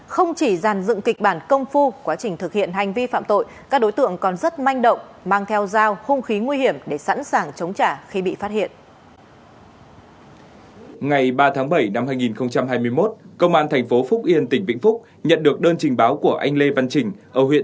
không chỉ dàn dựng kịch bản công phu quá trình thực hiện hành vi phạm tội các đối tượng còn rất manh động mang theo dao khung khí nguy hiểm để sẵn sàng chống trả khi bị phát hiện